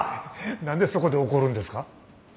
何でそこで怒るんですか？